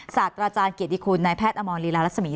ศาสตราจารย์เกียรติคุณนายแพทย์อมรลีลารัศมี